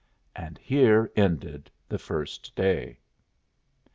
And here ended the first day.